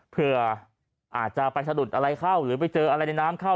เผื่ออาจจะไปสะดุดอะไรเข้าหรือไปเจออะไรในน้ำเข้า